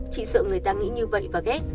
chị sợ người ta nghĩ như vậy và ghét